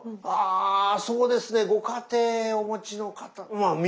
あそうですね。ご家庭お持ちの方まあ